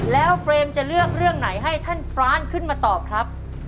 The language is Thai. แล้วเฟรมจะเลือกเรื่องไหนให้ท่านฟ้านขึ้นมาตอบครับ